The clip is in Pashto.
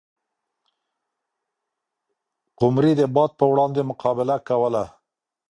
قمري د باد په وړاندې مقابله کوله.